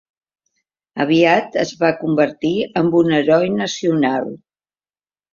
Aviat es va convertir en un heroi nacional.